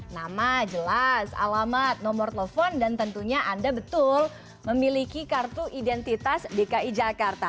nama jelas alamat nomor telepon dan tentunya anda betul memiliki kartu identitas dki jakarta